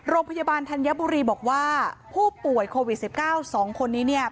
โรงพยาบาลธัญบุรีบอกว่าผู้ป่วยโควิด๑๙๒คนนี้เนี่ย